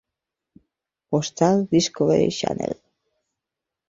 Postal Discovery Channel.